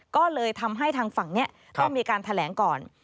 ก็เลยทำให้ทางฝั่งนี้ต้องมีการแถลงก่อน